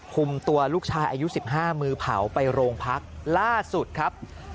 คุมตัวลูกชายอายุ๑๕มือเผาไปโรงพักล่าสุดครับ